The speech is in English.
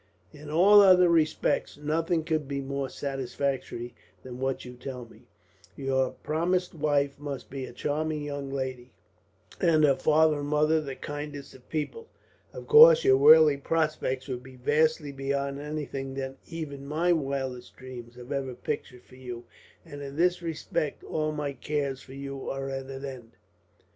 "In all other respects, nothing could be more satisfactory than what you tell me. Your promised wife must be a charming young lady, and her father and mother the kindest of people. Of course, your worldly prospects will be vastly beyond anything that even my wildest dreams have ever pictured for you, and in this respect all my cares for you are at an end.